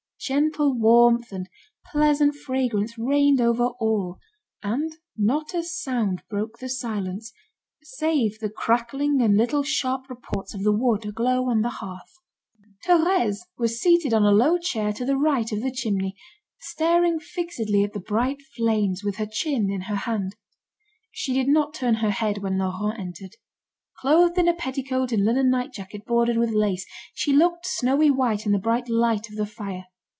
Gentle warmth and pleasant fragrance reigned over all, and not a sound broke the silence, save the crackling and little sharp reports of the wood aglow on the hearth. Thérèse was seated on a low chair to the right of the chimney, staring fixedly at the bright flames, with her chin in her hand. She did not turn her head when Laurent entered. Clothed in a petticoat and linen night jacket bordered with lace, she looked snowy white in the bright light of the fire.